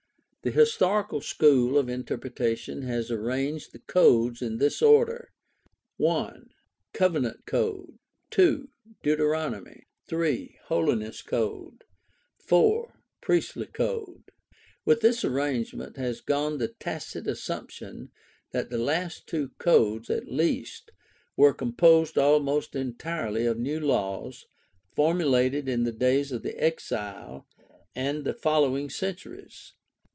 The historical school of inter pretation has arranged the codes in this order: (i) Covenant Code, (2) Deuteronomy, (3) Holiness Code, (4) Priestly Code. With this arrangement has gone the tacit assumption that the last two codes at least were composed almost entirely of new laws, formulated in the days of the Exile and the following centuries.